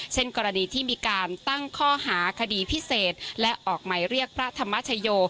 เช่นกรณีที่มีการตั้งข้อหาคดีพิเศษและออกหมายเรียกพระธรรมชโย